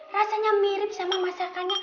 rasanya mirip sama masakannya